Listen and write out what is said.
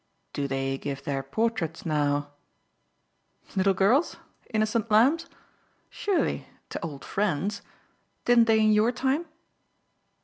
"Do they give their portraits now?" "Little girls innocent lambs? Surely to old friends. Didn't they in your time?"